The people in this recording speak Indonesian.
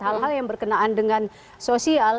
hal hal yang berkenaan dengan sosial